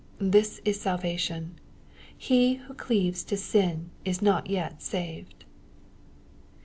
This is salvation. He who cleaves to sin is not yet saved.